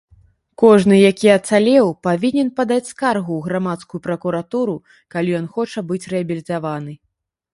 Кожны які ацалеў павінен падаць скаргу ў грамадскую пракуратуру, калі ён хоча быць рэабілітаваны.